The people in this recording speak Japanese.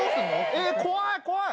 えっ、怖い、怖い。